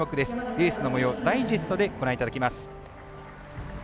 レースのもようダイジェストでご覧いただきます。